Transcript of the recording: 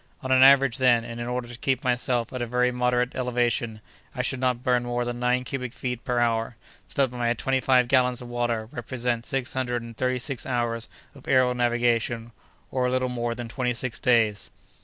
On an average, then, and in order to keep myself at a very moderate elevation, I should not burn more than nine cubic feet per hour, so that my twenty five gallons of water represent six hundred and thirty six hours of aërial navigation, or a little more than twenty six days.